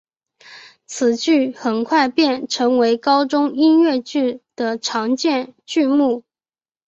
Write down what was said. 此剧很快便成为高中音乐剧的常见剧目。